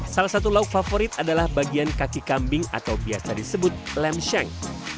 salah satu lauk favorit adalah bagian kaki kambing atau biasa disebut lem seng